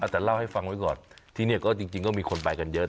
แต่เล่าให้ฟังไว้ก่อนที่นี่ก็จริงก็มีคนไปกันเยอะ